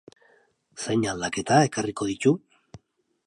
Zein aldaketa ekarriko ditu?